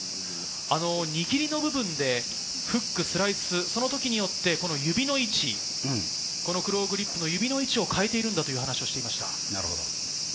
握りの部分でフック、スライス、その時によって指の位置、クローグリップの指の位置を変えているという話をしていました。